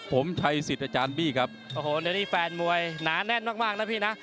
ผมชัยสิทธิ์อาจารย์บี้ครับโอ้โหเดี๋ยวนี้แฟนมวยหนาแน่นมากมากนะพี่นะ